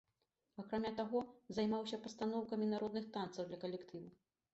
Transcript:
Акрамя таго, займаўся пастаноўкамі народных танцаў для калектыву.